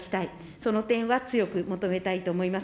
その点は強く求めたいと思います。